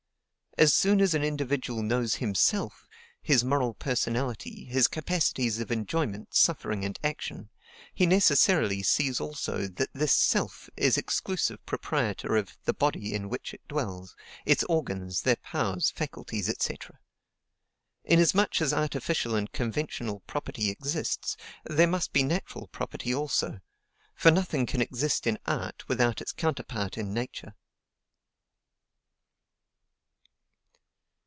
As soon as an individual knows HIMSELF, his moral personality, his capacities of enjoyment, suffering, and action, he necessarily sees also that this SELF is exclusive proprietor of the body in which it dwells, its organs, their powers, faculties, &c.... Inasmuch as artificial and conventional property exists, there must be natural property also; for nothing can exist in art without its counterpart in Nature."